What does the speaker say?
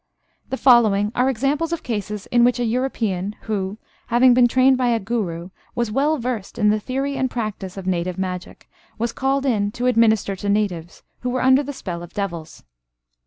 The following are examples of cases in which a European, who, having been trained by a guru, was well versed in the theory and practice of native magic, was called in to administer to Natives, who were under the spell of devils.